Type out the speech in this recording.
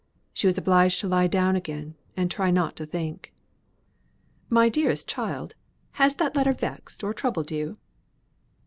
She was obliged to lie down again and try not to think. "My dearest child! Has that letter vexed or troubled you?"